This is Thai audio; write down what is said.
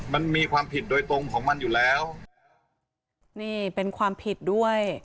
มันมีความผิดโดยตรงของมันอยู่แล้วนี่เป็นความผิดด้วย